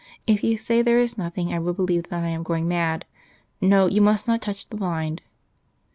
If you say there is nothing I will believe that I am going mad. No; you must not touch the blind."